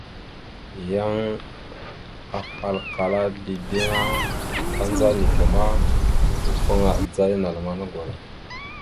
Yan ahalkala dideŋ a, tandzaba neke ma, dawəfaŋa adzaya naləmana gwala.